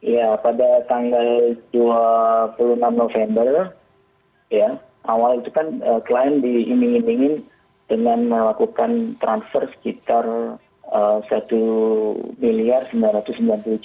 ya pada tanggal dua puluh enam november ya awal itu kan klien diiming imingin dengan melakukan transfer sekitar rp satu sembilan ratus sembilan puluh